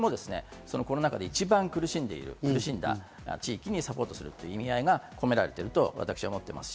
コロナ禍で一番苦しんだ地域にサポートするという意味合いが込められていると私は思っています。